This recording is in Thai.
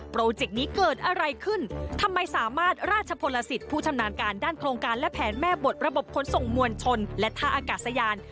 เจกต์นี้เกิดอะไรขึ้นทำไมสามารถราชพลสิทธิ์ผู้ชำนาญการด้านโครงการและแผนแม่บทระบบขนส่งมวลชนและท่าอากาศยาน